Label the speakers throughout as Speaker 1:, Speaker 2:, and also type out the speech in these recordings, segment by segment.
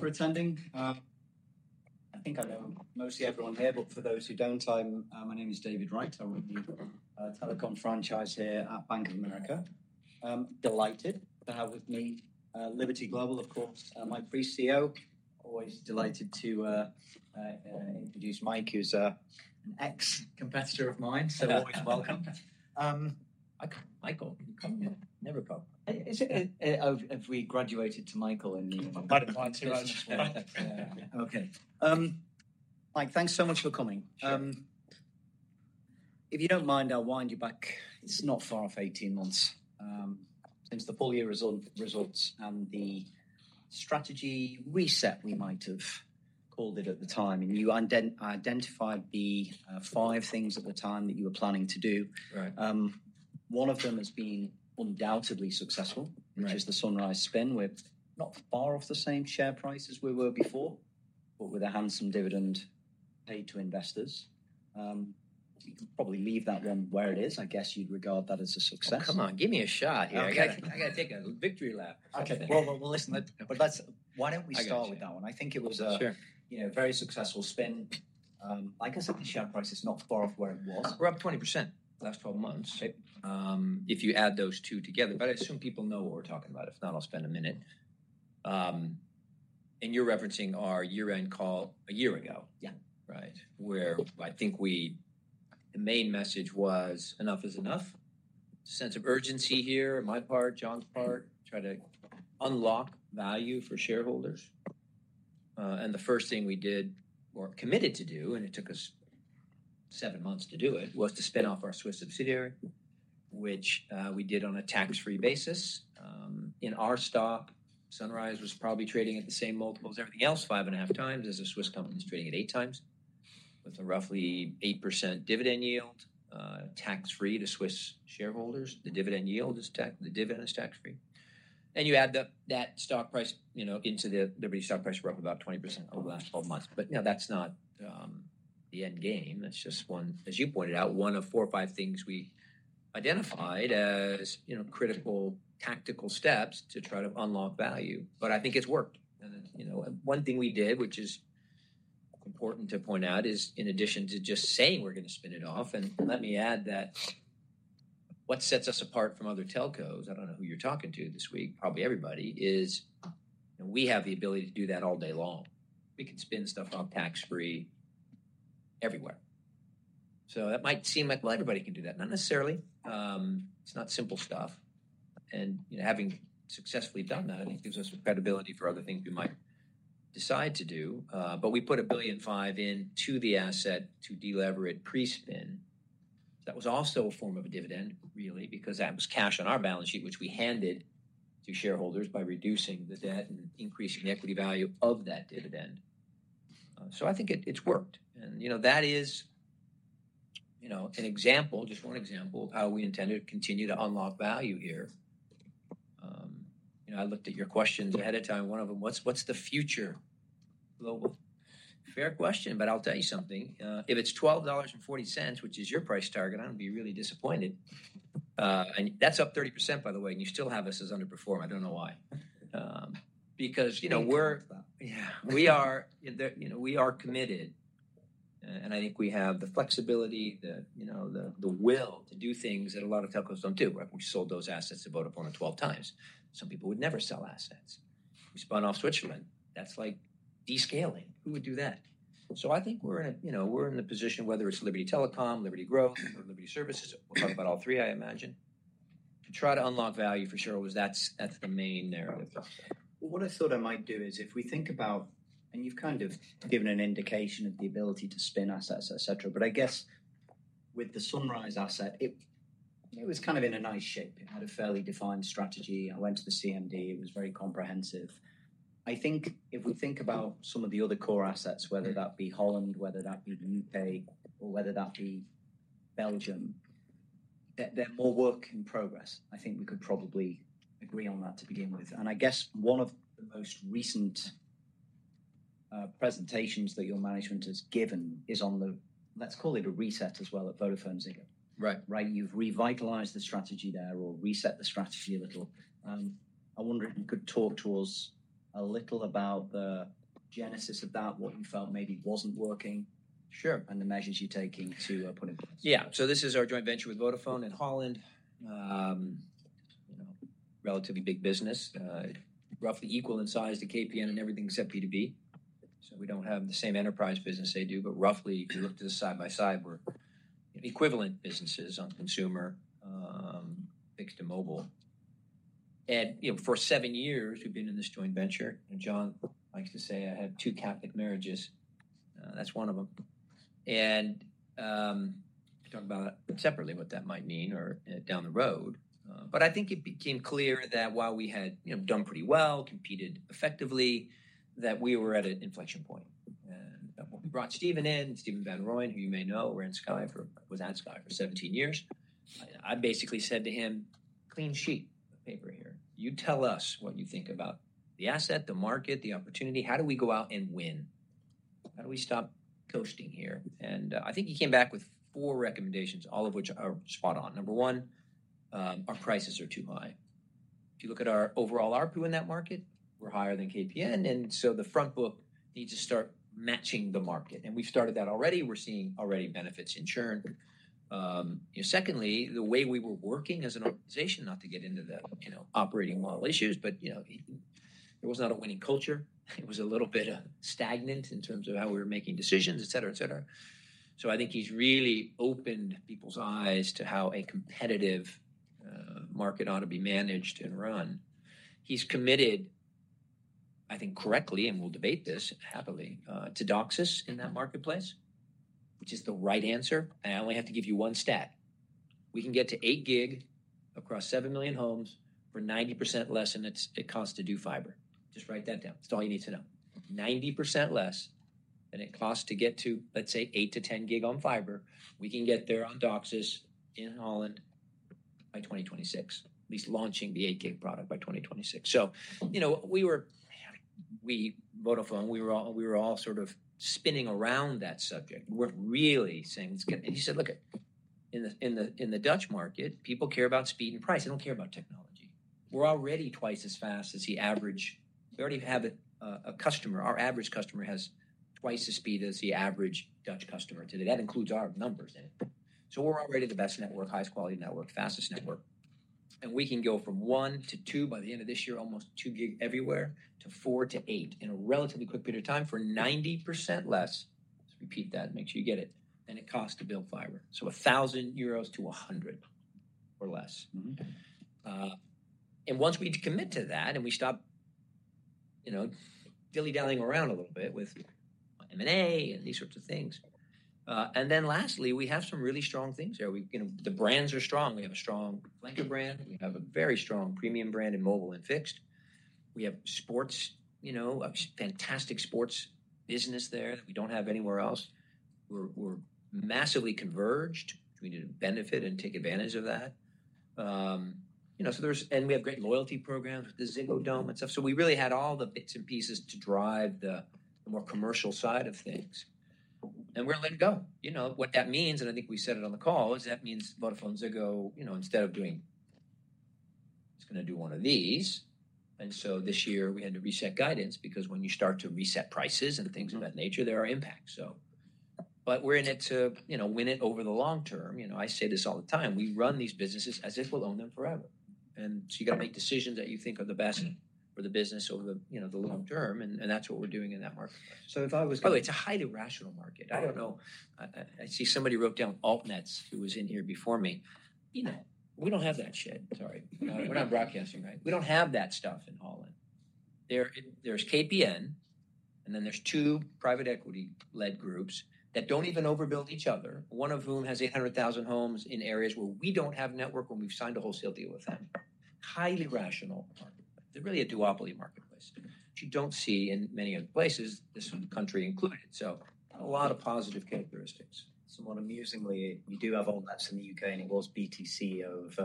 Speaker 1: Thank you, everyone, for attending. I think I know mostly everyone here, but for those who do not, my name is David Wright. I run the telecom franchise here at Bank of America. Delighted to have with me Liberty Global, of course, Mike Fries, CEO. Always delighted to introduce Mike, who is an ex-competitor of mine, so always welcome. Michael, can you come here? Never come. Have we graduated to Michael in the...
Speaker 2: Quite a while, too.
Speaker 1: Okay. Mike, thanks so much for coming. If you don't mind, I'll wind you back. It's not far off, 18 months since the full year results and the strategy reset, we might have called it at the time. And you identified the five things at the time that you were planning to do. One of them has been undoubtedly successful, which is the Sunrise spin, where not far off the same share price as we were before, but with a handsome dividend paid to investors. You can probably leave that one where it is. I guess you'd regard that as a success.
Speaker 2: Come on, give me a shot here.
Speaker 1: Okay.
Speaker 2: I got to take a victory lap.
Speaker 1: Okay. Listen, why don't we start with that one? I think it was a very successful spin. Like I said, the share price is not far off where it was.
Speaker 2: We're up 20% the last 12 months. If you add those two together, but I assume people know what we're talking about. If not, I'll spend a minute. And you're referencing our year-end call a year ago, right? Where I think the main message was, "Enough is enough." Sense of urgency here on my part, John's part, try to unlock value for shareholders. The first thing we did, or committed to do, and it took us seven months to do it, was to spin off our Swiss subsidiary, which we did on a tax-free basis. In our stock, Sunrise was probably trading at the same multiple as everything else, 5.5 times, as a Swiss company is trading at 8 times, with a roughly 8% dividend yield, tax-free to Swiss shareholders. The dividend yield is tax-free. You add that stock price into the Liberty stock price for up about 20% over the last 12 months. That is not the end game. That is just one, as you pointed out, one of four or five things we identified as critical tactical steps to try to unlock value. I think it has worked. One thing we did, which is important to point out, is in addition to just saying we are going to spin it off, and let me add that what sets us apart from other telcos, I do not know who you are talking to this week, probably everybody, is we have the ability to do that all day long. We can spin stuff up tax-free everywhere. That might seem like, well, everybody can do that. Not necessarily. It is not simple stuff. Having successfully done that, I think it gives us credibility for other things we might decide to do. We put 1.5 billion into the asset to deleverage pre-spin. That was also a form of a dividend, really, because that was cash on our balance sheet, which we handed to shareholders by reducing the debt and increasing the equity value of that dividend. I think it has worked. That is an example, just one example, of how we intended to continue to unlock value here. I looked at your questions ahead of time. One of them, "What's the future, Global?" Fair question, but I'll tell you something. If it is $12.40, which is your price target, I am going to be really disappointed. That is up 30%, by the way, and you still have us as underperform. I do not know why. Because we are committed. I think we have the flexibility, the will to do things that a lot of telcos do not do. We sold those assets to Vodafone 12 times. Some people would never sell assets. We spun off Switzerland. That is like descaling. Who would do that? I think we are in a position, whether it is Liberty Telecom, Liberty Growth, or Liberty Services, we will talk about all three, I imagine, to try to unlock value for sure. That is the main narrative.
Speaker 1: What I thought I might do is if we think about, and you've kind of given an indication of the ability to spin assets, etc., I guess with the Sunrise asset, it was kind of in a nice shape. It had a fairly defined strategy. I went to the CMD. It was very comprehensive. I think if we think about some of the other core assets, whether that be Holland, whether that be the U.K., or whether that be Belgium, they're more work in progress. I think we could probably agree on that to begin with. I guess one of the most recent presentations that your management has given is on the, let's call it a reset as well at VodafoneZiggo, right? You've revitalized the strategy there or reset the strategy a little. I wonder if you could talk to us a little about the genesis of that, what you felt maybe was not working, and the measures you are taking to put in place.
Speaker 2: Yeah. This is our joint venture with Vodafone in Holland, relatively big business, roughly equal in size to KPN in everything except B2B. We do not have the same enterprise business they do, but roughly, if you look side by side, we are equivalent businesses on consumer, fixed, and mobile. For seven years, we have been in this joint venture. John likes to say I had two Catholic marriages. That is one of them. We can talk separately about what that might mean down the road. I think it became clear that while we had done pretty well, competed effectively, we were at an inflection point. We brought Stephen in, Stephen van Rooyen, who you may know, ran Sky for, was at Sky for 17 years. I basically said to him, "Clean sheet of paper here. You tell us what you think about the asset, the market, the opportunity. How do we go out and win? How do we stop ghosting here?" I think he came back with four recommendations, all of which are spot on. Number one, our prices are too high. If you look at our overall ARPU in that market, we are higher than KPN. The front book needs to start matching the market. We have started that already. We are seeing already benefits in churn. Secondly, the way we were working as an organization, not to get into the operating model issues, but there was not a winning culture. It was a little bit stagnant in terms of how we were making decisions, etc., etc. I think he has really opened people's eyes to how a competitive market ought to be managed and run. He's committed, I think correctly, and we'll debate this happily, to DOCSIS in that marketplace, which is the right answer. I only have to give you one stat. We can get to 8 gig across 7 million homes for 90% less than it costs to do fiber. Just write that down. It's all you need to know. 90% less than it costs to get to, let's say, 8-10 gig on fiber, we can get there on DOCSIS in Holland by 2026, at least launching the 8 gig product by 2026. We were Vodafone, we were all sort of spinning around that subject. We're really saying it's good. He said, "Look, in the Dutch market, people care about speed and price. They don't care about technology." We're already twice as fast as the average. We already have a customer. Our average customer has twice the speed as the average Dutch customer today. That includes our numbers in it. We are already the best network, highest quality network, fastest network. We can go from one to two by the end of this year, almost 2 gig everywhere, to 4-8 in a relatively quick period of time for 90% less. Let's repeat that and make sure you get it. It costs to build fiber. So 1,000 euros to 100 or less. Once we commit to that and we stop dilly-dallying around a little bit with M&A and these sorts of things. Lastly, we have some really strong things here. The brands are strong. We have a strong flanker brand. We have a very strong premium brand in mobile and fixed. We have sports, fantastic sports business there that we do not have anywhere else. We're massively converged. We need to benefit and take advantage of that. We have great loyalty programs with the Ziggo Dome and stuff. We really had all the bits and pieces to drive the more commercial side of things. We're letting go. What that means, and I think we said it on the call, is that means VodafoneZiggo, instead of doing, "It's going to do one of these." This year, we had to reset guidance because when you start to reset prices and things of that nature, there are impacts. We're in it to win it over the long term. I say this all the time. We run these businesses as if we'll own them forever. You have to make decisions that you think are the best for the business over the long term. That's what we're doing in that marketplace.
Speaker 1: If I was.
Speaker 2: Oh, it's a highly rational market. I don't know. I see somebody wrote down AltNets, who was in here before me. We don't have that shit. Sorry. We're not broadcasting, right? We don't have that stuff in Holland. There's KPN, and then there's two private equity-led groups that don't even overbuild each other, one of whom has 800,000 homes in areas where we don't have network when we've signed a wholesale deal with them. Highly rational marketplace. They're really a duopoly marketplace, which you don't see in many other places, this country included. A lot of positive characteristics.
Speaker 1: Somewhat amusingly, we do have AltNets in the U.K., and it was BTC of.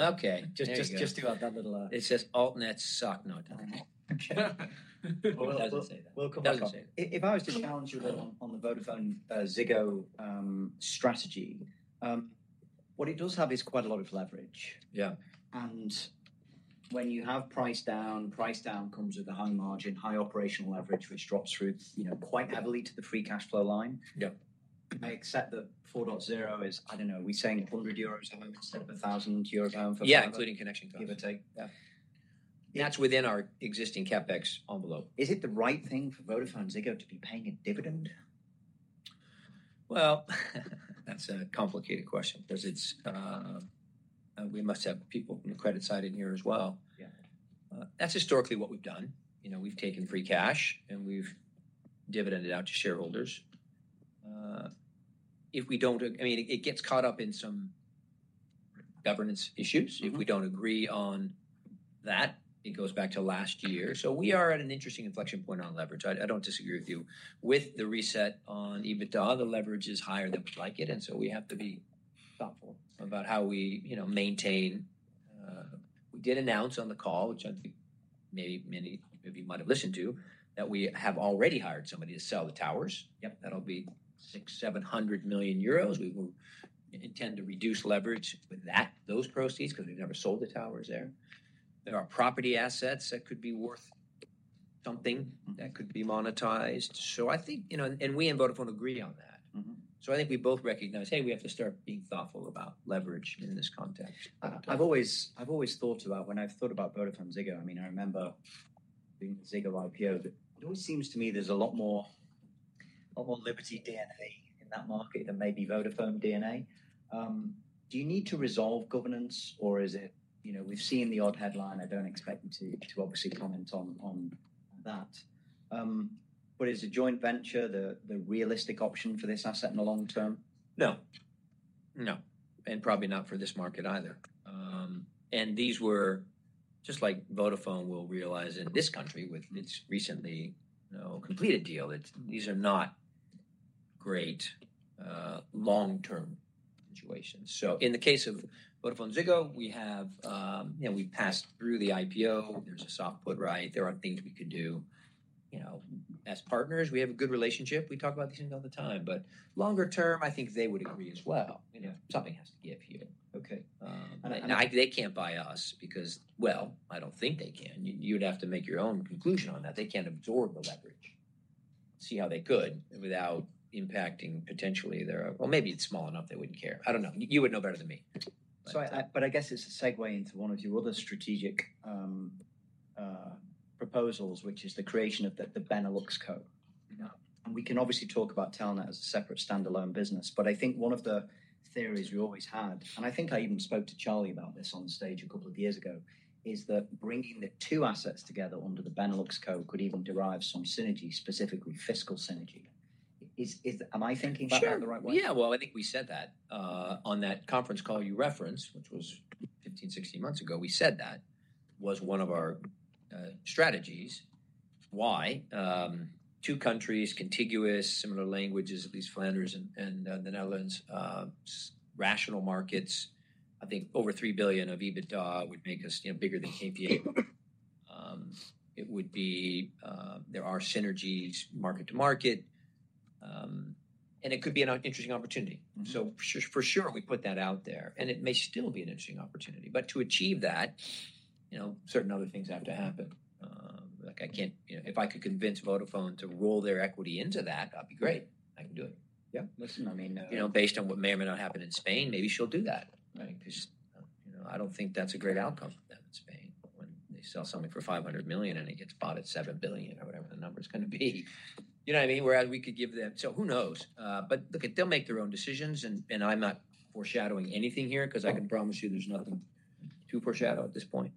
Speaker 2: Okay. Just about that little.
Speaker 1: It says AltNets suck, no doubt.
Speaker 2: Okay.
Speaker 1: We'll come back to it. If I was to challenge you a bit on the VodafoneZiggo strategy, what it does have is quite a lot of leverage. When you have price down, price down comes with a high margin, high operational leverage, which drops through quite heavily to the free cash flow line. I accept that 4.0 is, I don't know, we're saying 100 euros a home instead of 1,000 euros a home for.
Speaker 2: Yeah, including connection costs.
Speaker 1: Give or take.
Speaker 2: That's within our existing CapEx envelope.
Speaker 1: Is it the right thing for VodafoneZiggo to be paying a dividend?
Speaker 2: That is a complicated question because we must have people from the credit side in here as well. That is historically what we have done. We have taken free cash, and we have dividended out to shareholders. If we do not, I mean, it gets caught up in some governance issues. If we do not agree on that, it goes back to last year. We are at an interesting inflection point on leverage. I do not disagree with you. With the reset on EBITDA, the leverage is higher than we would like it. We have to be thoughtful about how we maintain. We did announce on the call, which I think maybe many of you might have listened to, that we have already hired somebody to sell the towers. That will be 600 million-700 million euros. We will intend to reduce leverage with those proceeds because we have never sold the towers there. There are property assets that could be worth something that could be monetized. I think, and we in Vodafone agree on that. I think we both recognize, hey, we have to start being thoughtful about leverage in this context.
Speaker 1: I've always thought about when I've thought about VodafoneZiggo. I mean, I remember being at the Ziggo IPO, but it always seems to me there's a lot more Liberty DNA in that market than maybe Vodafone DNA. Do you need to resolve governance, or is it we've seen the odd headline? I don't expect you to obviously comment on that. As a joint venture, is the realistic option for this asset in the long term?
Speaker 2: No. No. Probably not for this market either. These were just like Vodafone will realize in this country with its recently completed deal. These are not great long-term situations. In the case of VodafoneZiggo, we passed through the IPO. There is a soft put, right? There are things we could do. As partners, we have a good relationship. We talk about these things all the time. Longer term, I think they would agree as well. Something has to give here.
Speaker 1: Okay.
Speaker 2: They can't buy us because, I don't think they can. You'd have to make your own conclusion on that. They can't absorb the leverage. I don't see how they could without impacting potentially their, maybe it's small enough they wouldn't care. I don't know. You would know better than me.
Speaker 1: I guess it's a segue into one of your other strategic proposals, which is the creation of the Benelux Co. We can obviously talk about Telenet as a separate standalone business, but I think one of the theories we always had, and I think I even spoke to Charlie about this on stage a couple of years ago, is that bringing the two assets together under the Benelux Co. could even derive some synergy, specifically fiscal synergy. Am I thinking about that the right way?
Speaker 2: Sure. Yeah. I think we said that on that conference call you referenced, which was 15-16 months ago. We said that was one of our strategies. Why? Two countries, contiguous, similar languages, at least Flanders and the Netherlands, rational markets. I think over 3 billion of EBITDA would make us bigger than KPN. There are synergies market to market. It could be an interesting opportunity. For sure, we put that out there. It may still be an interesting opportunity. To achieve that, certain other things have to happen. If I could convince Vodafone to roll their equity into that, that would be great. I can do it.
Speaker 1: Yeah. Listen, I mean.
Speaker 2: Based on what may or may not happen in Spain, maybe she'll do that. I do not think that's a great outcome for them in Spain when they sell something for 500 million and it gets bought at 7 billion or whatever the number's going to be. You know what I mean? Whereas we could give them. So who knows? But look, they'll make their own decisions. I am not foreshadowing anything here because I can promise you there's nothing to foreshadow at this point.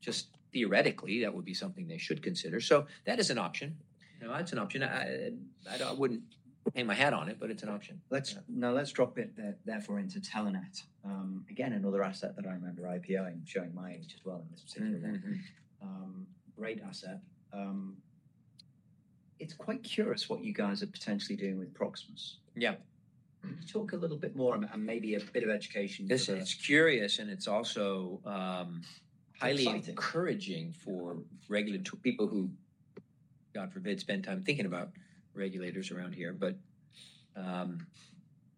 Speaker 2: Just theoretically, that would be something they should consider. That is an option. That's an option. I would not hang my hat on it, but it's an option.
Speaker 1: Now let's drop that for into Telenet. Again, another asset that I remember IPOing, showing my age as well in this particular one. Great asset. It's quite curious what you guys are potentially doing with Proximus.
Speaker 2: Yeah.
Speaker 1: Can you talk a little bit more and maybe a bit of education?
Speaker 2: Listen, it's curious, and it's also highly encouraging for regulatory people who, God forbid, spend time thinking about regulators around here.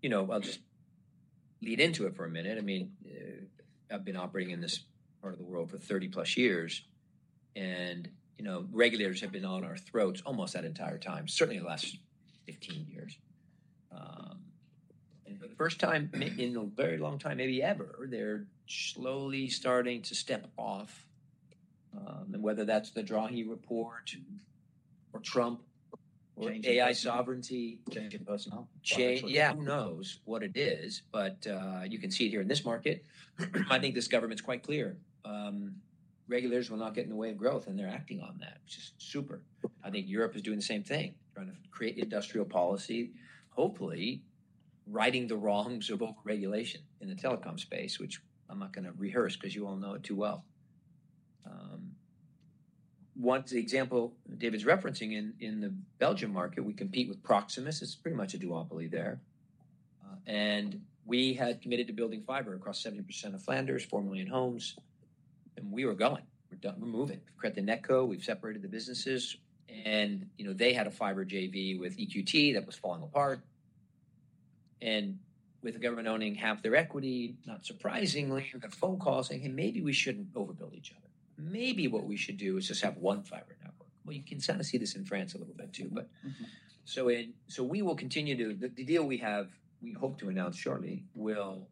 Speaker 2: I'll just lead into it for a minute. I mean, I've been operating in this part of the world for 30-plus years. Regulators have been on our throats almost that entire time, certainly the last 15 years. For the first time in a very long time, maybe ever, they're slowly starting to step off. Whether that's the Draghi report or Trump or AI sovereignty.
Speaker 1: Change in personnel.
Speaker 2: Change. Who knows what it is, but you can see it here in this market. I think this government's quite clear. Regulators will not get in the way of growth, and they're acting on that, which is super. I think Europe is doing the same thing, trying to create industrial policy, hopefully righting the wrongs of overregulation in the telecom space, which I'm not going to rehearse because you all know it too well. One example David's referencing in the Belgium market, we compete with Proximus. It's pretty much a duopoly there. We had committed to building fiber across 70% of Flanders, 4 million homes. We were going. We're moving. We've created the Netco. We've separated the businesses. They had a fiber JV with EQT that was falling apart. With the government owning half their equity, not surprisingly, we got a phone call saying, "Hey, maybe we shouldn't overbuild each other. Maybe what we should do is just have one fiber network." You can kind of see this in France a little bit too. We will continue to the deal we have, we hope to announce shortly, will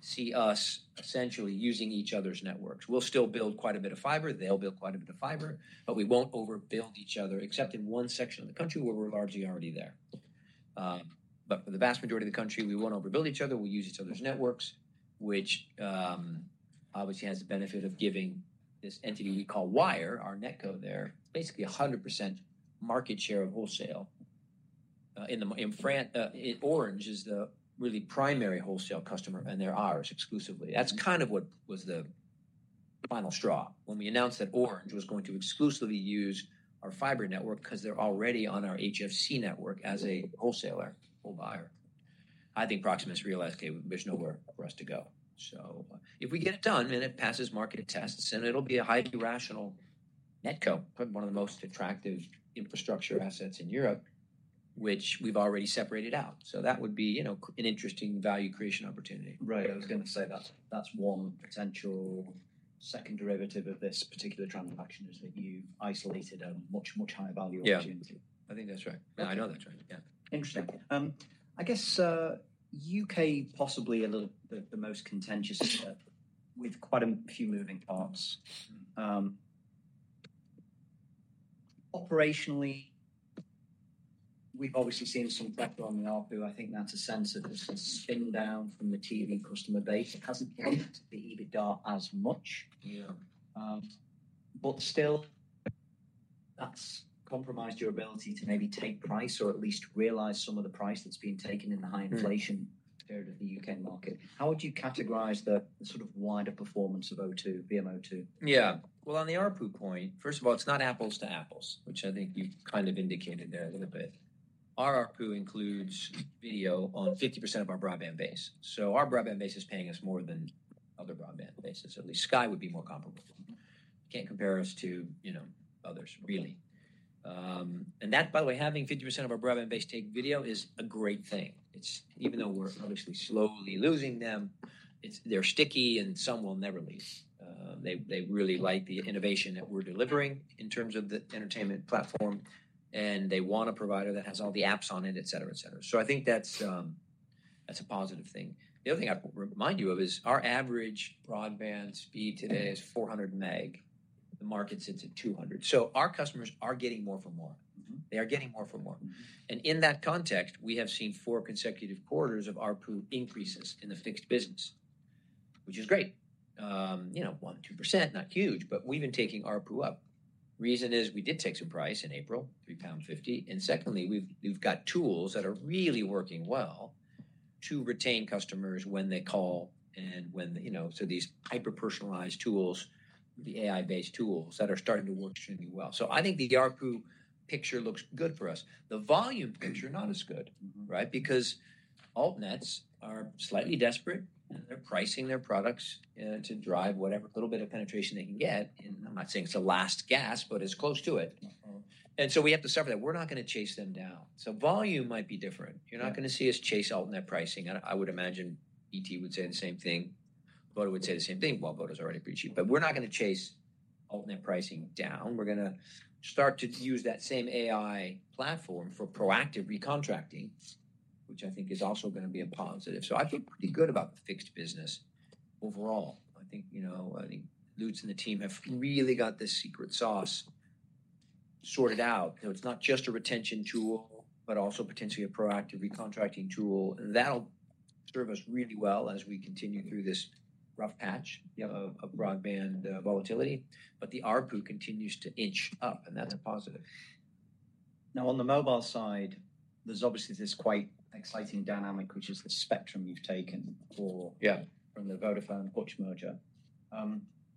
Speaker 2: see us essentially using each other's networks. We'll still build quite a bit of fiber. They'll build quite a bit of fiber. We won't overbuild each other, except in one section of the country where we're largely already there. For the vast majority of the country, we won't overbuild each other. We'll use each other's networks, which obviously has the benefit of giving this entity we call Wire, our Netco there, basically 100% market share of wholesale. Orange is the really primary wholesale customer, and they're ours exclusively. That's kind of what was the final straw when we announced that Orange was going to exclusively use our fiber network because they're already on our HFC network as a wholesaler, whole buyer. I think Proximus realized, "Okay, there's nowhere for us to go." If we get it done and it passes market tests, it'll be a highly rational Netco, one of the most attractive infrastructure assets in Europe, which we've already separated out. That would be an interesting value creation opportunity.
Speaker 1: Right. I was going to say that that's one potential second derivative of this particular transaction is that you've isolated a much, much higher value opportunity.
Speaker 2: Yeah. I think that's right. I know that's right. Yeah.
Speaker 1: Interesting. I guess U.K., possibly the most contentious with quite a few moving parts. Operationally, we've obviously seen some pressure on the ARPU. I think that's a sense of the spin down from the TV customer base. It hasn't helped the EBITDA as much. Still, that's compromised your ability to maybe take price or at least realize some of the price that's being taken in the high inflation period of the U.K. market. How would you categorize the sort of wider performance of VMO2?
Speaker 2: Yeah. On the ARPU point, first of all, it's not apples to apples, which I think you've kind of indicated there a little bit. Our ARPU includes video on 50% of our broadband base. Our broadband base is paying us more than other broadband bases. At least Sky would be more comparable. Can't compare us to others, really. By the way, having 50% of our broadband base take video is a great thing. Even though we're obviously slowly losing them, they're sticky, and some will never leave. They really like the innovation that we're delivering in terms of the entertainment platform, and they want a provider that has all the apps on it, etc., etc. I think that's a positive thing. The other thing I'd remind you of is our average broadband speed today is 400 meg. The market sits at 200. Our customers are getting more for more. They are getting more for more. In that context, we have seen four consecutive quarters of ARPU increases in the fixed business, which is great. One, 2%, not huge, but we've been taking ARPU up. The reason is we did take some price in April, 3.50 pound. Secondly, we've got tools that are really working well to retain customers when they call and when these hyper-personalized tools, the AI-based tools, are starting to work extremely well. I think the ARPU picture looks good for us. The volume picture, not as good, right? Because AltNets are slightly desperate, and they're pricing their products to drive whatever little bit of penetration they can get. I'm not saying it's a last gasp, but it's close to it. We have to suffer that. We're not going to chase them down. Volume might be different. You're not going to see us chase AltNet pricing. I would imagine ET would say the same thing. Vodafone would say the same thing. Vodafone's already pretty cheap. We're not going to chase AltNet pricing down. We're going to start to use that same AI platform for proactive recontracting, which I think is also going to be a positive. I feel pretty good about the fixed business overall. I think Lutz and the team have really got the secret sauce sorted out. It's not just a retention tool, but also potentially a proactive recontracting tool. That'll serve us really well as we continue through this rough patch of broadband volatility. The ARPU continues to inch up, and that's a positive.
Speaker 1: Now, on the mobile side, there's obviously this quite exciting dynamic, which is the spectrum you've taken from the Vodafone-Hutch merger.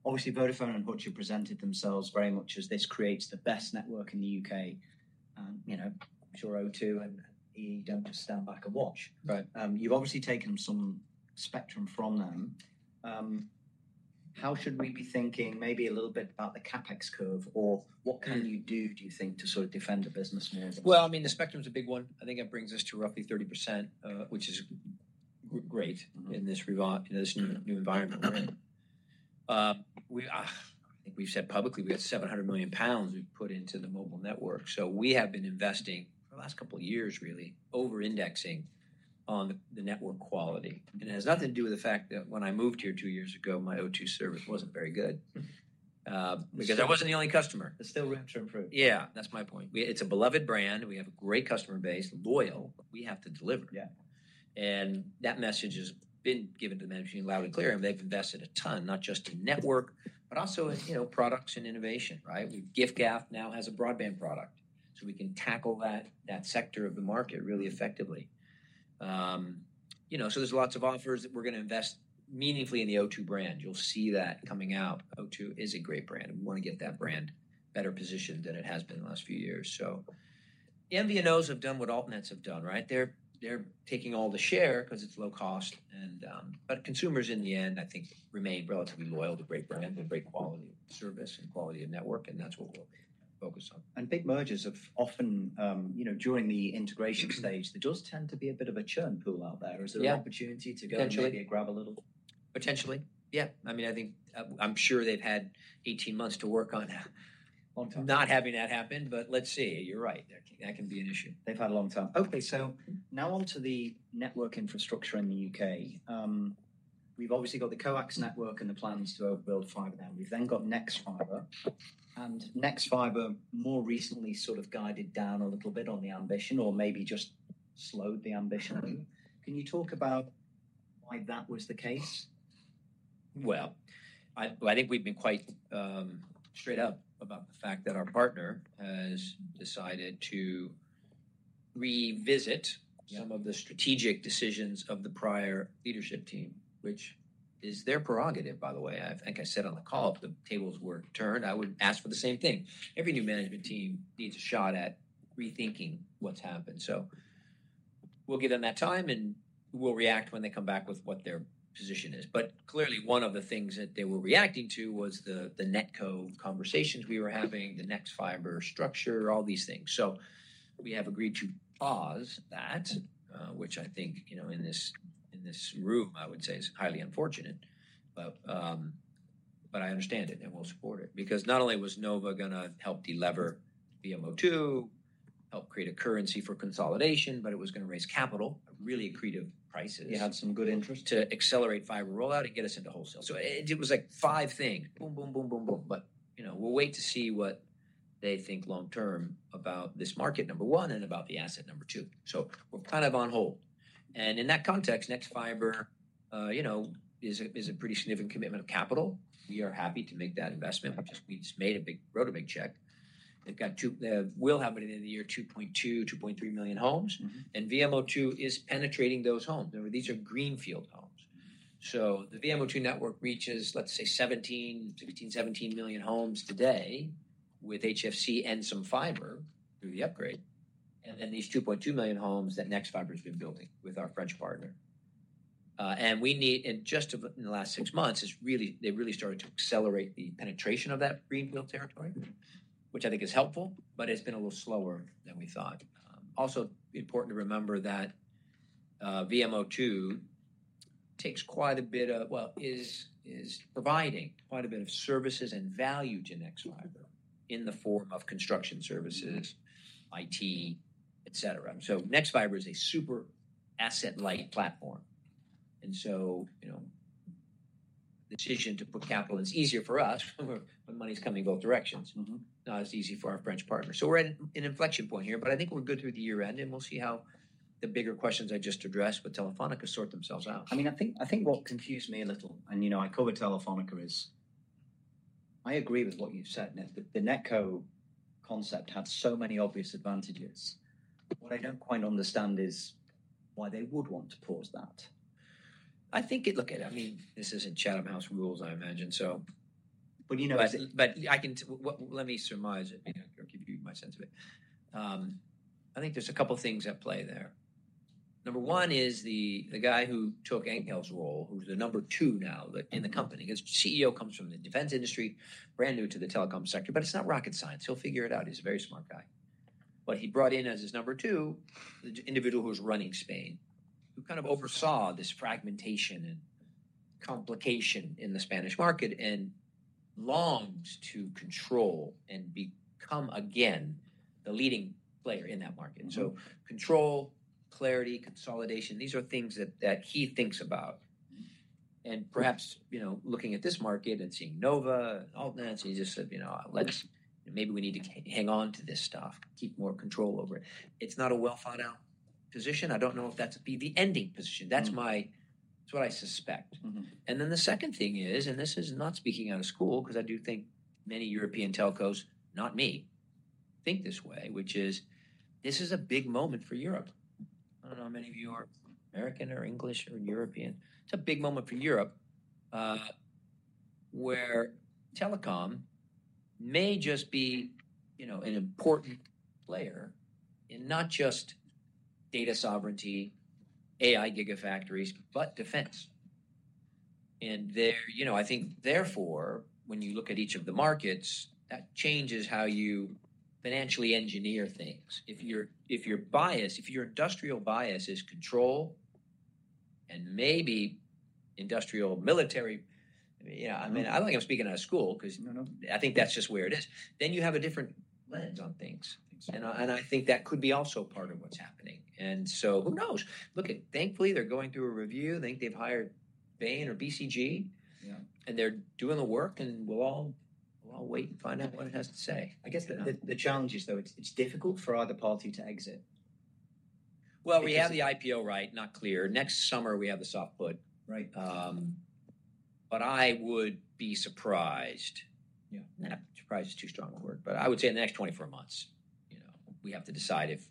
Speaker 1: Obviously, Vodafone and Hutch have presented themselves very much as this creates the best network in the U.K. I'm sure O2 and EE don't just stand back and watch. You've obviously taken some spectrum from them. How should we be thinking maybe a little bit about the CapEx curve or what can you do, do you think, to sort of defend a business more?
Speaker 2: I mean, the spectrum's a big one. I think it brings us to roughly 30%, which is great in this new environment. I think we've said publicly we got 700 million pounds we've put into the mobile network. We have been investing for the last couple of years, really, over-indexing on the network quality. It has nothing to do with the fact that when I moved here two years ago, my O2 service wasn't very good. I wasn't the only customer.
Speaker 1: There's still room to improve.
Speaker 2: Yeah. That's my point. It's a beloved brand. We have a great customer base, loyal. We have to deliver. That message has been given to the management team loud and clear. They have invested a ton, not just in network, but also in products and innovation, right? Giffgaff now has a broadband product. We can tackle that sector of the market really effectively. There are lots of offers, and we are going to invest meaningfully in the O2 brand. You will see that coming out. O2 is a great brand. We want to get that brand better positioned than it has been the last few years. The MVNOs have done what AltNets have done, right? They are taking all the share because it is low cost. Consumers, in the end, I think, remain relatively loyal to great brands and great quality of service and quality of network. That's what we'll focus on.
Speaker 1: Big mergers have often, during the integration stage, there does tend to be a bit of a churn pool out there. Is there an opportunity to go maybe and grab a little?
Speaker 2: Potentially. Yeah. I mean, I think I'm sure they've had 18 months to work on not having that happen, but let's see. You're right. T
Speaker 1: hat can be an issue. They've had a long time. Okay. Now on to the network infrastructure in the U.K. We've obviously got the Coax network and the plans to overbuild fiber now. We've then got Next Fiber. And Next Fiber more recently sort of guided down a little bit on the ambition or maybe just slowed the ambition. Can you talk about why that was the case?
Speaker 2: I think we've been quite straight up about the fact that our partner has decided to revisit some of the strategic decisions of the prior leadership team, which is their prerogative, by the way. Like I said on the call, if the tables were turned, I would ask for the same thing. Every new management team needs a shot at rethinking what's happened. We'll give them that time, and we'll react when they come back with what their position is. Clearly, one of the things that they were reacting to was the Netco conversations we were having, the Next Fiber structure, all these things. We have agreed to pause that, which I think in this room, I would say, is highly unfortunate. I understand it, and we'll support it. Because not only was Nova going to help deliver VMO2, help create a currency for consolidation, but it was going to raise capital, really accretive prices.
Speaker 1: You had some good interest.
Speaker 2: To accelerate fiber rollout and get us into wholesale. It was like five things, boom, boom, boom, boom, boom. We will wait to see what they think long term about this market, number one, and about the asset, number two. We are kind of on hold. In that context, Next Fiber is a pretty significant commitment of capital. We are happy to make that investment. We just made a big road of big check. They have got two, will have it in the year, 2.2-2.3 million homes. VMO2 is penetrating those homes. These are greenfield homes. The VMO2 network reaches, let's say, 16-17 million homes today with HFC and some fiber through the upgrade. Then these 2.2 million homes that Next Fiber has been building with our French partner. Just in the last six months, they really started to accelerate the penetration of that greenfield territory, which I think is helpful, but it has been a little slower than we thought. Also, important to remember that VMO2 is providing quite a bit of services and value to Next Fiber in the form of construction services, IT, etc. Next Fiber is a super asset-light platform. The decision to put capital is easier for us when money is coming both directions. Not as easy for our French partner. We are at an inflection point here, but I think we are good through the year end, and we will see how the bigger questions I just addressed with Telefónica sort themselves out.
Speaker 1: I mean, I think what confused me a little, and I cover Telefónica, is I agree with what you've said. The Netco concept had so many obvious advantages. What I don't quite understand is why they would want to pause that.
Speaker 2: I think it, look, I mean, this isn't Chatham House rules, I imagine, so.
Speaker 1: You know.
Speaker 2: I can, let me surmise it. I'll give you my sense of it. I think there's a couple of things at play there. Number one is the guy who took Enrique's role, who's the number two now in the company. His CEO comes from the defense industry, brand new to the telecom sector, but it's not rocket science. He'll figure it out. He's a very smart guy. What he brought in as his number two, the individual who was running Spain, who kind of oversaw this fragmentation and complication in the Spanish market and longs to control and become again the leading player in that market. So control, clarity, consolidation, these are things that he thinks about. Perhaps looking at this market and seeing Nova and AltNets, he just said, "Let's maybe we need to hang on to this stuff, keep more control over it." It is not a well-thought-out position. I do not know if that is the ending position. That is what I suspect. The second thing is, and this is not speaking out of school because I do think many European telcos, not me, think this way, which is this is a big moment for Europe. I do not know how many of you are American or English or European. It is a big moment for Europe where telecom may just be an important player in not just data sovereignty, AI gigafactories, but defense. I think therefore, when you look at each of the markets, that changes how you financially engineer things. If your bias, if your industrial bias is control and maybe industrial military, I mean, I do not think I am speaking out of school because I think that is just where it is. Then you have a different lens on things. I think that could be also part of what is happening. Who knows? Look, thankfully, they are going through a review. I think they have hired Bain or BCG, and they are doing the work, and we will all wait and find out what it has to say.
Speaker 1: I guess the challenge is, though, it's difficult for either party to exit.
Speaker 2: We have the IPO, right? Not clear. Next summer, we have the soft put. I would be surprised. Surprised is too strong a word. I would say in the next 24 months, we have to decide if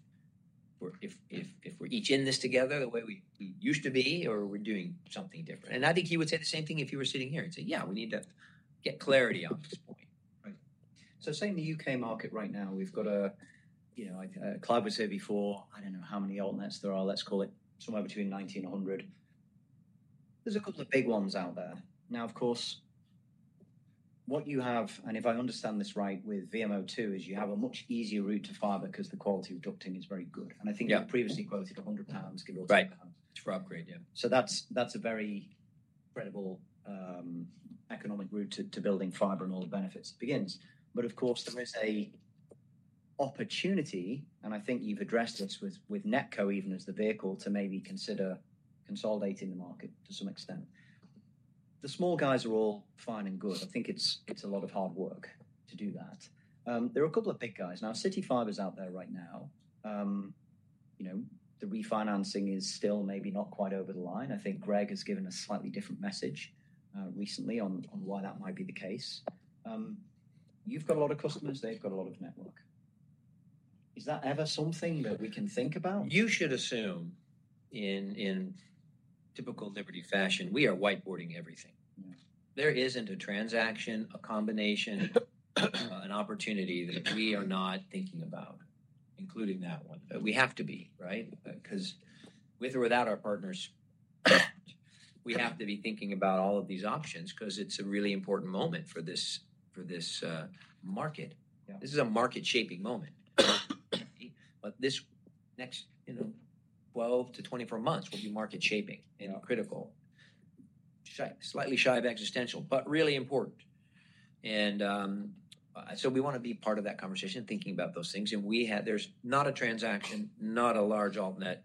Speaker 2: we're each in this together the way we used to be or we're doing something different. I think he would say the same thing if he were sitting here. He'd say, "Yeah, we need to get clarity on this point.
Speaker 1: Saying the U.K. market right now, we've got a cloud was here before. I do not know how many AltNets there are. Let's call it somewhere between 90-100. There are a couple of big ones out there. Now, of course, what you have, and if I understand this right, with VMO2 is you have a much easier route to fiber because the quality of ducting is very good. I think you previously quoted 100 pounds, give or take.
Speaker 2: Right. For upgrade, yeah.
Speaker 1: That's a very credible economic route to building fiber and all the benefits it begins. Of course, there is an opportunity, and I think you've addressed this with Netco even as the vehicle to maybe consider consolidating the market to some extent. The small guys are all fine and good. I think it's a lot of hard work to do that. There are a couple of big guys. Now, CityFibre's out there right now. The refinancing is still maybe not quite over the line. I think Greg has given a slightly different message recently on why that might be the case. You've got a lot of customers. They've got a lot of network. Is that ever something that we can think about?
Speaker 2: You should assume in typical Liberty fashion, we are whiteboarding everything. There is not a transaction, a combination, an opportunity that we are not thinking about, including that one. We have to be, right? Because with or without our partners, we have to be thinking about all of these options because it is a really important moment for this market. This is a market-shaping moment. This next 12-24 months will be market-shaping and critical. Slightly shy of existential, but really important. We want to be part of that conversation and thinking about those things. There is not a transaction, not a large AltNet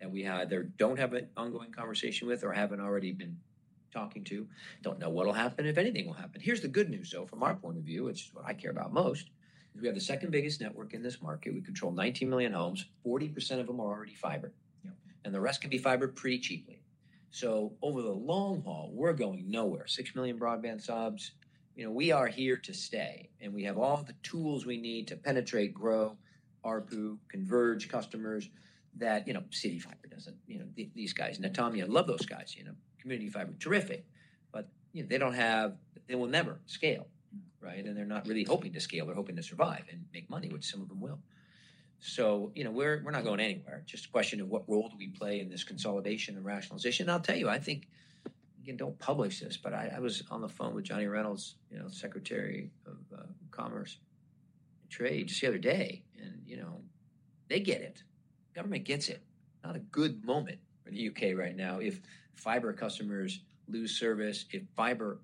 Speaker 2: that we either do not have an ongoing conversation with or have not already been talking to. Do not know what will happen, if anything will happen. Here's the good news, though, from our point of view, which is what I care about most, is we have the second biggest network in this market. We control 19 million homes. 40% of them are already fiber. The rest can be fiber pretty cheaply. Over the long haul, we're going nowhere. 6 million broadband subs. We are here to stay. We have all the tools we need to penetrate, grow, RPU, converge customers that CityFibre doesn't. These guys, Netomnia, love those guys. Community Fibre, terrific. They will never scale, right? They're not really hoping to scale. They're hoping to survive and make money, which some of them will. We're not going anywhere. It's just a question of what role do we play in this consolidation and rationalization. I will tell you, I think, again, do not publish this, but I was on the phone with Jonathan Reynolds, Secretary of State for Business and Trade, just the other day. They get it. Government gets it. Not a good moment for the U.K. right now if fiber customers lose service, if fiber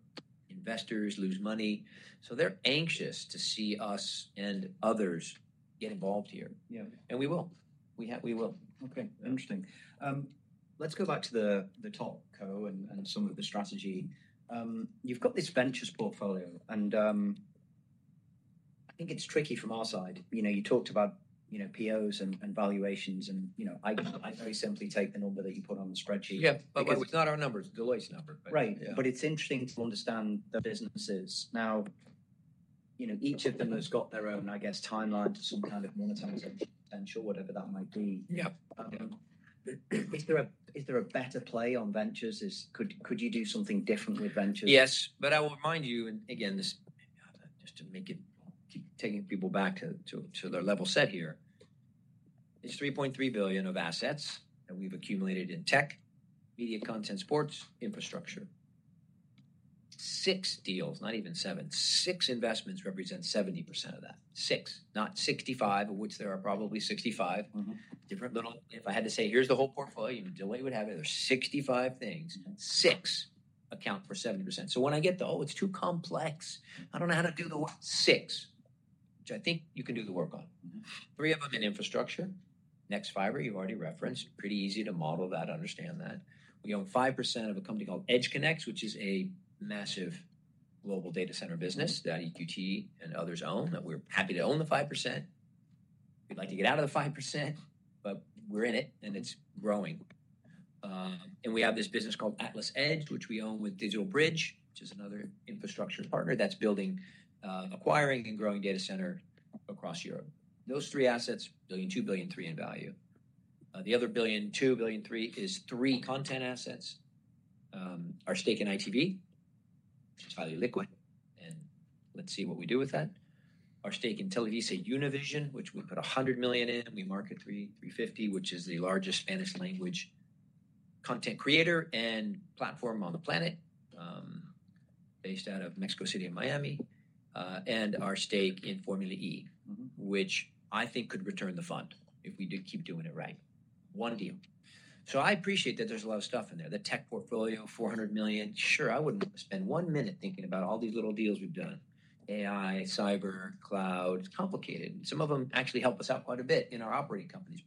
Speaker 2: investors lose money. They are anxious to see us and others get involved here. We will. We will.
Speaker 1: Okay. Interesting. Let's go back to the top co and some of the strategy. You've got this ventures portfolio. I think it's tricky from our side. You talked about POs and valuations. I very simply take the number that you put on the spreadsheet.
Speaker 2: Yeah. It is not our numbers. Deloitte's number.
Speaker 1: Right. It is interesting to understand the businesses. Now, each of them has got their own, I guess, timeline to some kind of monetization potential, whatever that might be. Is there a better play on ventures? Could you do something different with ventures?
Speaker 2: Yes. I will remind you, and again, just to take people back to their level set here, it's 3.3 billion of assets that we've accumulated in tech, media, content, sports, infrastructure. Six deals, not even seven. Six investments represent 70% of that. Six, not 65, of which there are probably 65 different little, if I had to say, "Here's the whole portfolio," Deloitte would have it. There are 65 things. Six account for 70%. When I get the, "Oh, it's too complex. I don't know how to do the work." Six, which I think you can do the work on. Three of them in infrastructure. Next Fiber, you've already referenced. Pretty easy to model that, understand that. We own 5% of a company called EdgeConneX, which is a massive global data center business that EQT and others own that we're happy to own the 5%. We'd like to get out of the 5%, but we're in it, and it's growing. We have this business called Atlas Edge, which we own with Digital Bridge, which is another infrastructure partner that's building, acquiring, and growing data centers across Europe. Those three assets, 1 billion, 2 billion, 3 billion in value. The other 1 billion, 2 billion, 3 billion is three content assets. Our stake in ITV, which is highly liquid, and let's see what we do with that. Our stake in TelevisaUnivision, which we put $100 million in. We mark it $350 million, which is the largest Spanish-language content creator and platform on the planet based out of Mexico City and Miami. Our stake in Formula E, which I think could return the fund if we keep doing it right. One deal. I appreciate that there's a lot of stuff in there. The tech portfolio, $400 million. Sure, I wouldn't spend one minute thinking about all these little deals we've done. AI, cyber, cloud, it's complicated. Some of them actually help us out quite a bit in our operating companies.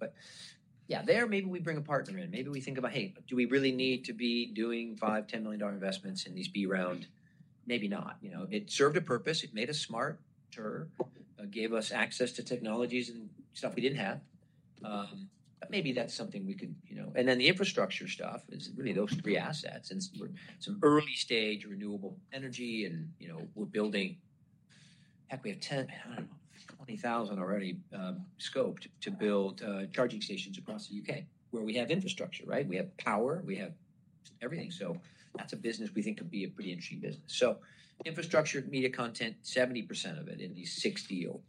Speaker 2: Yeah, there maybe we bring a partner in. Maybe we think about, "Hey, do we really need to be doing $5 million, $10 million investments in these B round?" Maybe not. It served a purpose. It made us smart. Sure. Gave us access to technologies and stuff we didn't have. Maybe that's something we could. The infrastructure stuff is really those three assets. Some early stage renewable energy and we're building, heck, we have 10, I don't know, 20,000 already scoped to build charging stations across the U.K. where we have infrastructure, right? We have power. We have everything. That's a business we think could be a pretty interesting business. Infrastructure, media content, 70% of it in these six deals,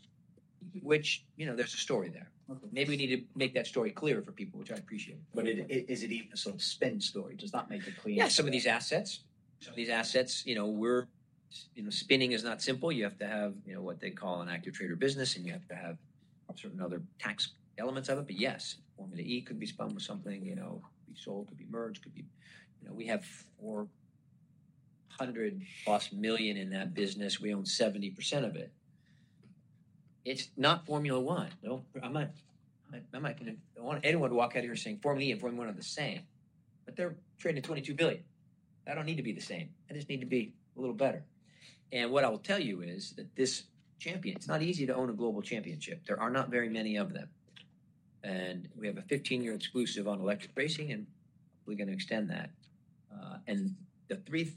Speaker 2: which there's a story there. Maybe we need to make that story clear for people, which I appreciate.
Speaker 1: Is it even a sort of spend story? Does that make it clear?
Speaker 2: Yeah, some of these assets, we're spinning is not simple. You have to have what they call an active trader business, and you have to have certain other tax elements of it. Yes, Formula E could be spun with something. Could be sold, could be merged, could be we have 400 million-plus in that business. We own 70% of it. It is not Formula One. I am not going to want anyone to walk out of here saying Formula E and Formula One are the same. They are trading at $22 billion. I do not need to be the same. I just need to be a little better. What I will tell you is that this champion, it is not easy to own a global championship. There are not very many of them. We have a 15-year exclusive on electric racing, and we are going to extend that.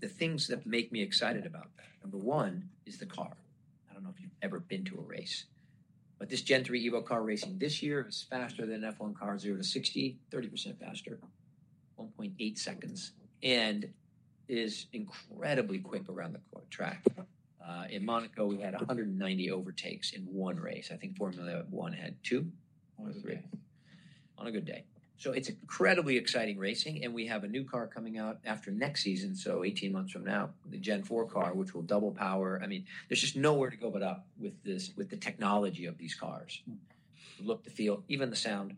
Speaker 2: The things that make me excited about that, number one is the car. I don't know if you've ever been to a race. This Gen 3 Evo car racing this year is faster than F1 cars 0 to 60, 30% faster, 1.8 seconds. It is incredibly quick around the track. In Monaco, we had 190 overtakes in one race. I think Formula One had two.
Speaker 1: One or three.
Speaker 2: On a good day. It is incredibly exciting racing. We have a new car coming out after next season, so 18 months from now, the Gen 4 car, which will double power. I mean, there is just nowhere to go but up with the technology of these cars. Look to feel, even the sound.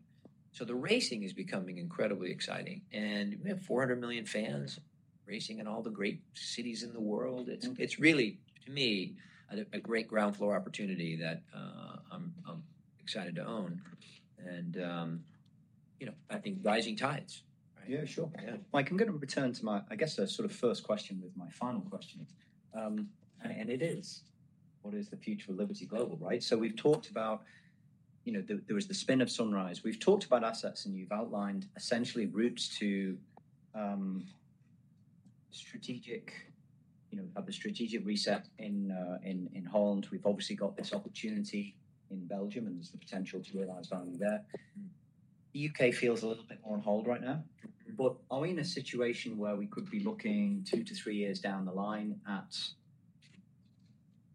Speaker 2: The racing is becoming incredibly exciting. We have 400 million fans racing in all the great cities in the world. It is really, to me, a great ground floor opportunity that I am excited to own. I think rising tides, right?
Speaker 1: Yeah, sure. I'm going to return to my, I guess, sort of first question with my final question. It is, what is the future of Liberty Global, right? We've talked about there was the spin of Sunrise. We've talked about assets, and you've outlined essentially routes to strategic reset in Holland. We've obviously got this opportunity in Belgium, and there's the potential to realize value there. The U.K. feels a little bit more on hold right now. Are we in a situation where we could be looking two to three years down the line at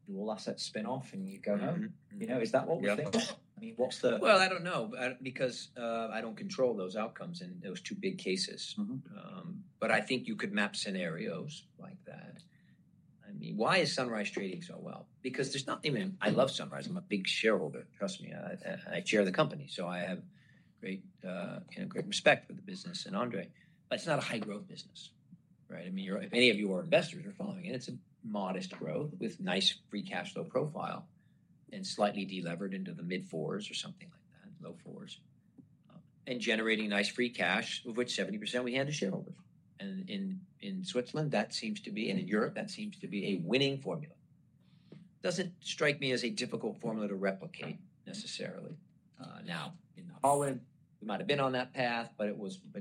Speaker 1: do all assets spin off and you go home? Is that what we're thinking? I mean, what's the?
Speaker 2: I don't know because I don't control those outcomes in those two big cases. I think you could map scenarios like that. I mean, why is Sunrise trading so well? There's nothing—I love Sunrise. I'm a big shareholder. Trust me. I share the company. I have great respect for the business and André. It's not a high-growth business, right? I mean, if any of your investors are following it, it's a modest growth with nice free cash flow profile and slightly delevered into the mid-fours or something like that, low-fours. Generating nice free cash, of which 70% we hand to shareholders. In Switzerland, that seems to be, and in Europe, that seems to be a winning formula. It doesn't strike me as a difficult formula to replicate necessarily. Now, in Holland, we might have been on that path, but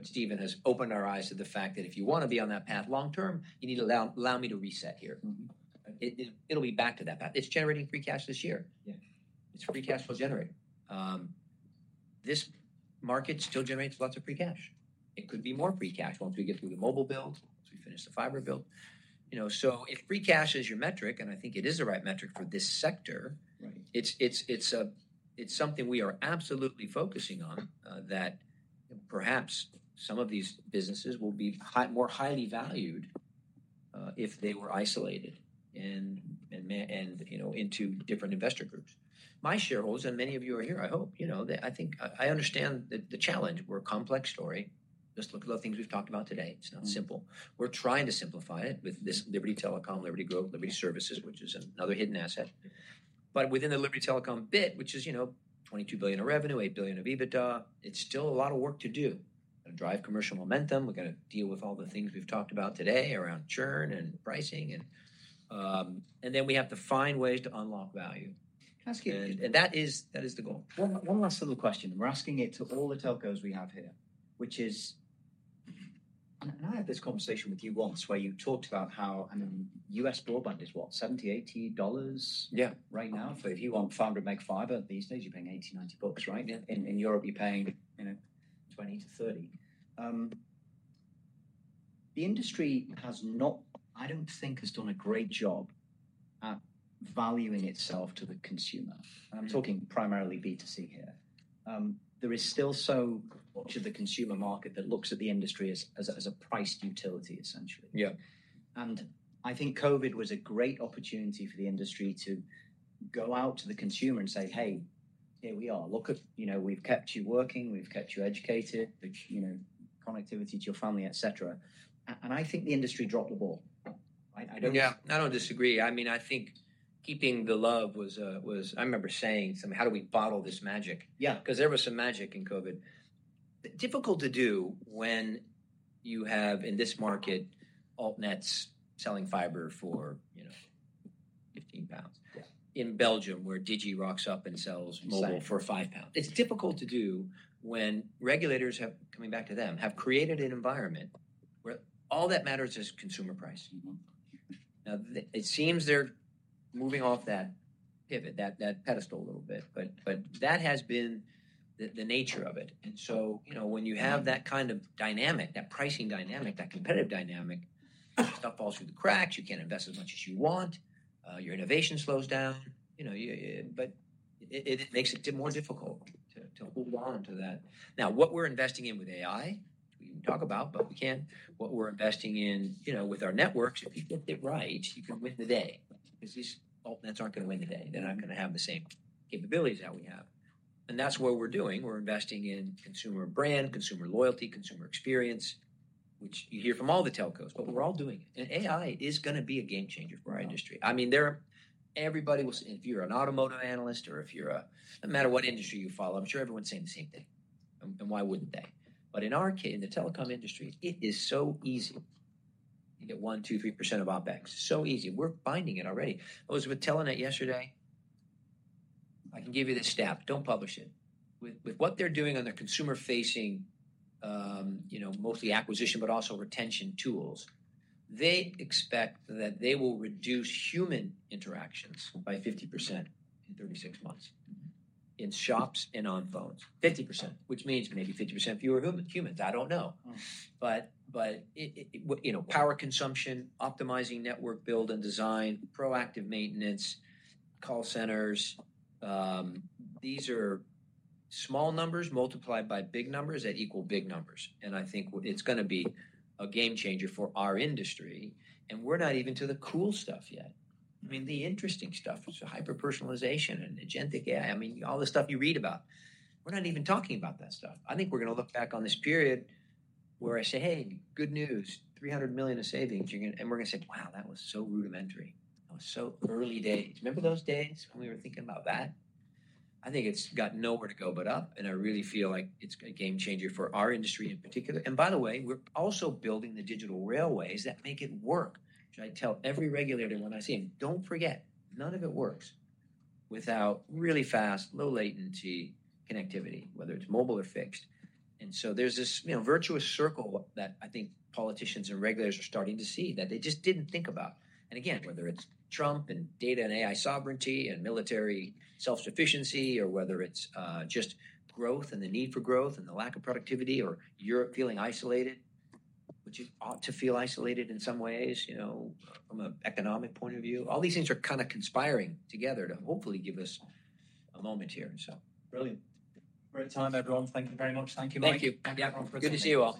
Speaker 2: Stephen has opened our eyes to the fact that if you want to be on that path long-term, you need to allow me to reset here. It'll be back to that path. It's generating free cash this year. It's a free cash flow generator. This market still generates lots of free cash. It could be more free cash once we get through the mobile build, once we finish the fiber build. If free cash is your metric, and I think it is the right metric for this sector, it's something we are absolutely focusing on that perhaps some of these businesses will be more highly valued if they were isolated and into different investor groups. My shareholders, and many of you are here, I hope, I think I understand the challenge. We're a complex story. Just look at the things we've talked about today. It's not simple. We're trying to simplify it with this Liberty Telecom, Liberty Growth, Liberty Services, which is another hidden asset. Within the Liberty Telecom bit, which is 22 billion of revenue, 8 billion of EBITDA, it's still a lot of work to do. We're going to drive commercial momentum. We're going to deal with all the things we've talked about today around churn and pricing. We have to find ways to unlock value.
Speaker 1: Can I ask you?
Speaker 2: That is the goal.
Speaker 1: One last little question. I'm asking it to all the telcos we have here, which is, and I had this conversation with you once where you talked about how, I mean, U.S. broadband is what, $70-$80 right now? If you want 500 meg fiber these days, you're paying $80-$90, right? In Europe, you're paying 20-30. The industry has not, I don't think, has done a great job at valuing itself to the consumer. I'm talking primarily B2C here. There is still so much of the consumer market that looks at the industry as a priced utility, essentially. I think COVID was a great opportunity for the industry to go out to the consumer and say, "Hey, here we are. Look, we've kept you working. We've kept you educated, connectivity to your family, etc." I think the industry dropped the ball.
Speaker 2: Yeah. I do not disagree. I mean, I think keeping the love was, I remember saying something, "How do we bottle this magic?" Because there was some magic in COVID. Difficult to do when you have, in this market, AltNets selling fiber for 15 pounds. In Belgium, where Digi rocks up and sells mobile for 5 pounds. It is difficult to do when regulators, coming back to them, have created an environment where all that matters is consumer price. Now, it seems they are moving off that pivot, that pedestal a little bit. That has been the nature of it. When you have that kind of dynamic, that pricing dynamic, that competitive dynamic, stuff falls through the cracks. You cannot invest as much as you want. Your innovation slows down. It makes it more difficult to hold on to that. Now, what we're investing in with AI, we can talk about, but we can't. What we're investing in with our networks, if you get it right, you can win the day. Because these AltNets aren't going to win the day. They're not going to have the same capabilities that we have. That's what we're doing. We're investing in consumer brand, consumer loyalty, consumer experience, which you hear from all the telcos, but we're all doing it. AI is going to be a game changer for our industry. I mean, everybody will, if you're an automotive analyst or if you're a, no matter what industry you follow, I'm sure everyone's saying the same thing. Why wouldn't they? In our case, in the telecom industry, it is so easy. You get 1%, 2%, 3% of OpEx. So easy. We're finding it already. I was with Telenet yesterday. I can give you this stat. Do not publish it. With what they are doing on their consumer-facing, mostly acquisition, but also retention tools, they expect that they will reduce human interactions by 50% in 36 months. In shops and on phones. 50%, which means maybe 50% fewer humans. I do not know. Power consumption, optimizing network build and design, proactive maintenance, call centers. These are small numbers multiplied by big numbers that equal big numbers. I think it is going to be a game changer for our industry. We are not even to the cool stuff yet. I mean, the interesting stuff, so hyper-personalization and agentic AI. I mean, all the stuff you read about. We are not even talking about that stuff. I think we're going to look back on this period where I say, "Hey, good news, 300 million of savings." We're going to say, "Wow, that was so rudimentary. That was so early days." Remember those days when we were thinking about that? I think it's got nowhere to go but up. I really feel like it's a game changer for our industry in particular. By the way, we're also building the digital railways that make it work. I tell every regulator when I see them, "Don't forget, none of it works without really fast, low-latency connectivity, whether it's mobile or fixed." There is this virtuous circle that I think politicians and regulators are starting to see that they just didn't think about. Whether it's Trump and data and AI sovereignty and military self-sufficiency, or whether it's just growth and the need for growth and the lack of productivity, or Europe feeling isolated, which you ought to feel isolated in some ways from an economic point of view. All these things are kind of conspiring together to hopefully give us a moment here.
Speaker 1: Brilliant. Great time, everyone. Thank you very much. Thank you, Mike.
Speaker 2: Thank you.
Speaker 1: Have a good.